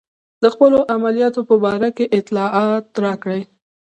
د خپلو عملیاتو په باره کې اطلاع راکړئ.